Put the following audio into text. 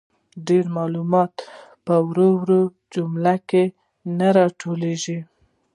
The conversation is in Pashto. ډیر معلومات په وړو وړو جملو کي نه راټولیږي.